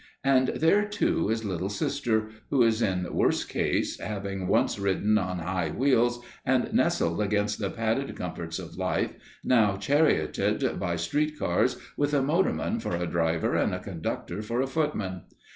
And there, too, is Little Sister, who is in worse case, having once ridden on high wheels and nestled against the padded comforts of life, now charioted by street cars, with a motorman for a driver and a conductor for a footman.